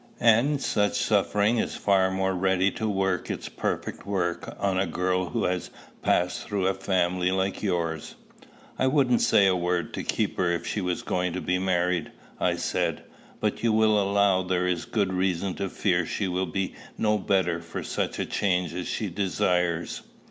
And such suffering is far more ready to work its perfect work on a girl who has passed through a family like yours." "I wouldn't say a word to keep her if she were going to be married," I said; "but you will allow there is good reason to fear she will be no better for such a change as she desires."